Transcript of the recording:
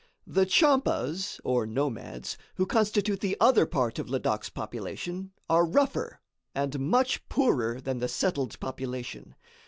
The Tchampas, or nomads, who constitute the other part of Ladak's population, are rougher, and much poorer than the settled population.